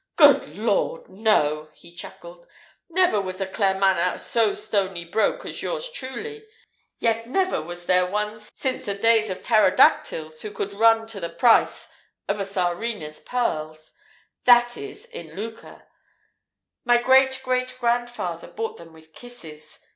"Good lord, no!" he chuckled. "Never was a Claremanagh so stony broke as yours truly; yet never was there one since the days of pterodactyls who could run to the price of a Tsarina's pearls; that is, in lucre. My great great grandfather bought them with kisses.